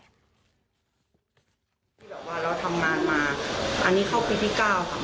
เราทำงานมาอันนี้เข้าพีธี๙ค่ะ